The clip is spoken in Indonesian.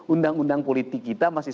undang undang politik kita masih